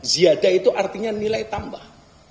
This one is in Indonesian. ziada itu artinya nilai tambah